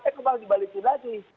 kan kembali dibalikin lagi